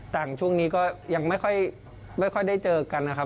ช่วงนี้ก็ยังไม่ค่อยได้เจอกันนะครับ